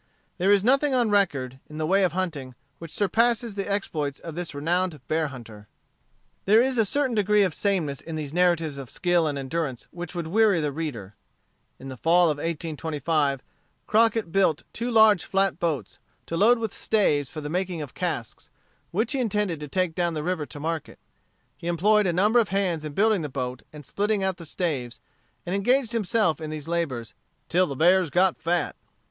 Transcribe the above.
There is nothing on record, in the way of hunting, which surpasses the exploits of this renowned bear hunter. But there is a certain degree of sameness in these narratives of skill and endurance which would weary the reader. In the fall of 1825, Crockett built two large flat boats, to load with staves for the making of casks, which he intended to take down the river to market. He employed a number of hands in building the boat and splitting out the staves, and engaged himself in these labors "till the bears got fat."